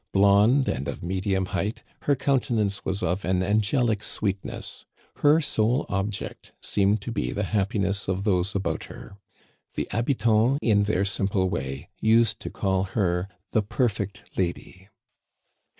Blonde and of medium height, her countenance was of an angelic sweetness. Her sole object seemed to be the happiness of those about her. The JiabitantSy in their simple way, used to call her " the perfect lady."